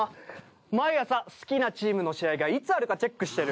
毎朝好きなチームの試合がいつあるかチェックしてる。